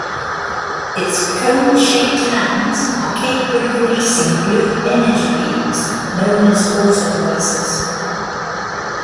It's cone-shaped hands are capable of releasing blue energy beams, known as autolasers.